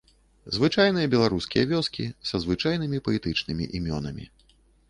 Звычайныя беларускія вёскі са звычайнымі паэтычнымі імёнамі.